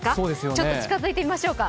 ちょっと近づいてみましょうか。